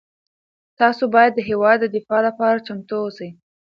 تاسو باید د هېواد د دفاع لپاره چمتو اوسئ.